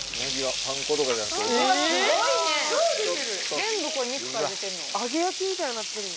全部これ肉から出てるの？